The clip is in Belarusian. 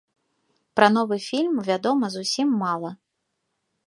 Пра новы фільм вядома зусім мала.